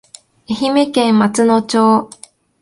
愛媛県松野町